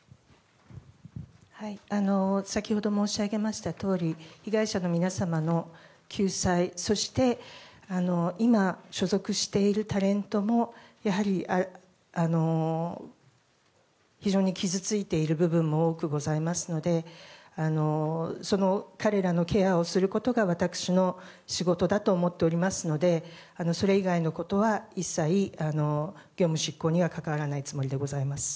先ほど申し上げましたとおり被害者の皆様の救済そして、今所属しているタレントもやはり非常に傷ついている部分も多くございますので彼らのケアをすることが私の仕事だと思っておりますのでそれ以外のことは一切、業務執行には関わらないつもりでございます。